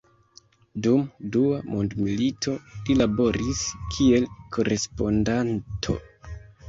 Dum Dua mondmilito li laboris kiel korespondanto.